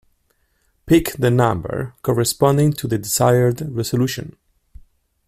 Pick the number corresponding to the desired resolution.